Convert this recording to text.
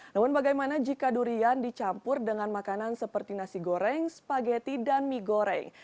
namun bagaimana jika durian dicampur dengan makanan seperti nasi goreng spageti dan mie goreng